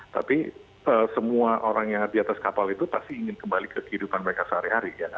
tapi semua orang yang ada di atas kapal itu pasti ingin kembali ke kehidupan mereka sehari hari ya